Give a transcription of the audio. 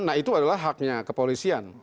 nah itu adalah haknya kepolisian